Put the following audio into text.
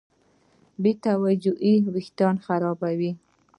بېتوجهي وېښتيان خرابوي.